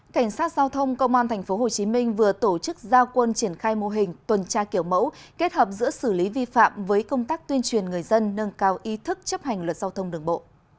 cảnh sát giao thông công an tp hcm vừa tổ chức giao quân triển khai mô hình tuần tra kiểu mẫu kết hợp giữa xử lý vi phạm với công tác tuyên truyền người dân nâng cao ý thức chấp hành luật giao thông đường bộ